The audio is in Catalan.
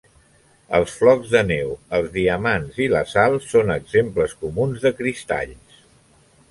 Els flocs de neu, els diamants i la sal són exemples comuns de cristalls.